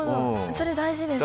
それ大事ですね。